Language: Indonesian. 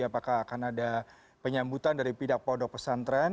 apakah akan ada penyambutan dari pidak podok pesantren